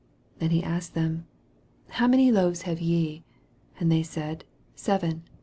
5 And he asked them, How many loaves kave ye ? And they said, Seven.